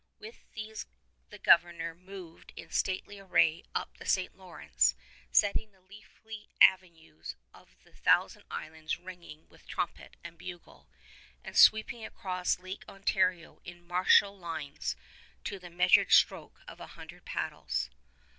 With these the Governor moved in stately array up the St. Lawrence, setting the leafy avenues of the Thousand Islands ringing with trumpet and bugle, and sweeping across Lake Ontario in martial lines to the measured stroke of a hundred paddles.